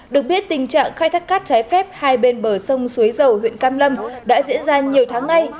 được biết tình trạng khai thác cát trái phép hai bên bờ sông suối dầu huyện cam lâm đã diễn ra nhiều tháng nay